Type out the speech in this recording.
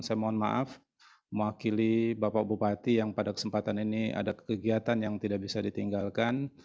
saya mohon maaf mewakili bapak bupati yang pada kesempatan ini ada kegiatan yang tidak bisa ditinggalkan